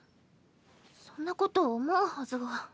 そんなこと思うはずが。